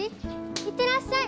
行ってらっしゃい！